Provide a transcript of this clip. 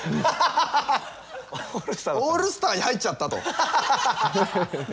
オールスターに入っちゃったと。